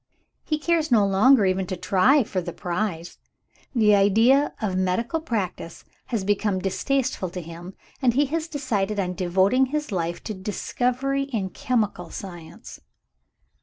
He cares no longer even to try for the prize. The idea of medical practice has become distasteful to him, and he has decided on devoting his life to discovery in chemical science.